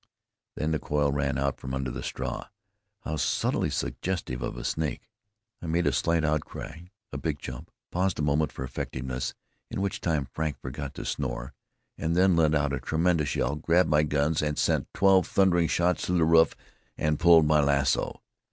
Then the coil ran out from under the straw. How subtly suggestive of a snake! I made a slight outcry, a big jump, paused a moment for effectiveness in which time Frank forgot to snore then let out a tremendous yell, grabbed my guns, sent twelve thundering shots through the roof and pulled my lasso.